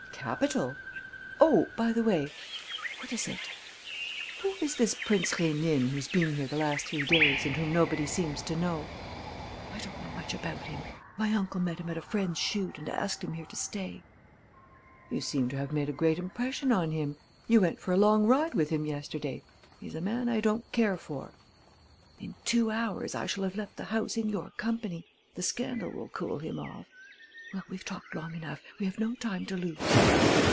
"Capital!... Oh, by the way...." "What is it?" "Who is this Prince Rénine, who's been here the last three days and whom nobody seems to know?" "I don't know much about him. My uncle met him at a friend's shoot and asked him here to stay." "You seem to have made a great impression on him. You went for a long ride with him yesterday. He's a man I don't care for." "In two hours I shall have left the house in your company. The scandal will cool him off.... Well, we've talked long enough. We have no time to lose."